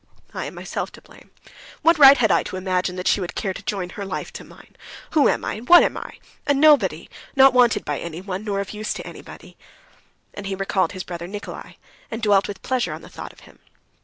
I am myself to blame. What right had I to imagine she would care to join her life to mine? Who am I and what am I? A nobody, not wanted by anyone, nor of use to anybody." And he recalled his brother Nikolay, and dwelt with pleasure on the thought of him.